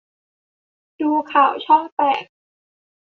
ดูข่าวช่องแปด